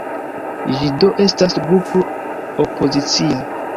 Ĝi do estas grupo opozicia.